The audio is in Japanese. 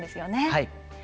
はい。